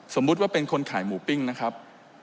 สมมุติว่าเป็นคนขายหมูปิ้งนะครับ